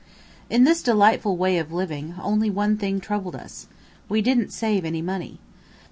In this delightful way of living, only one thing troubled us. We didn't save any money.